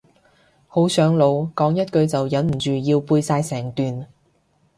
好上腦，講一句就忍唔住要背晒成段